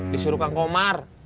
disuruh kang komar